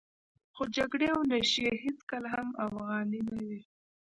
خو جګړې او نشې هېڅکله هم افغاني نه وې.